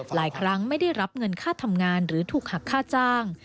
หลายครั้งไม่ได้รับเงินค่าทำงานหรือถูกหักค่าจ้าง